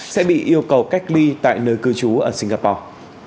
sẽ bị yêu cầu cách ly tại nơi cư trú ở singapore